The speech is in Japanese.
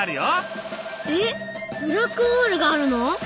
えっブラックホールがあるの？